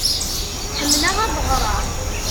Ḥemmleɣ ad ɣṛeɣ.